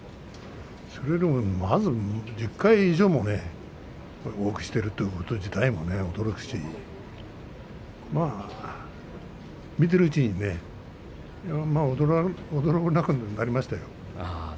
それよりも１０回以上も多くしているということ自体も驚くし見ているうちに驚かなくなりましたよ。